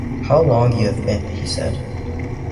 ‘How long you have been!’ he said.